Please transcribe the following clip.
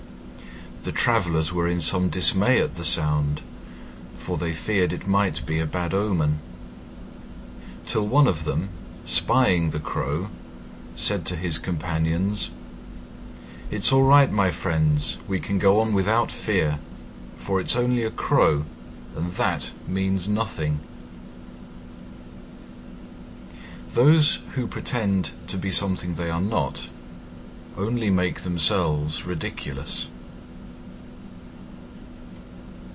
The travellers were in some dismay at the sound, for they feared it might be a bad omen; till one of them, spying the Crow, said to his companions, "It's all right, my friends, we can go on without fear, for it's only a crow and that means nothing." Those who pretend to be something they are not only make themselves ridiculous.